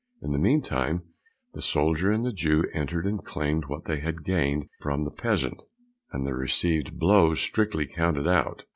In the meantime the soldier and the Jew entered and claimed what they had gained from the peasant, and they received the blows strictly counted out.